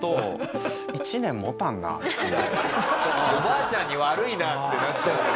おばあちゃんに悪いなってなっちゃうもんね。